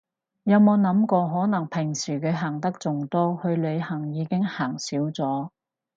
有冇諗過可能平時佢行得仲多，去旅行已經行少咗